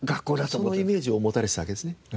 そのイメージを持たれていたわけですね。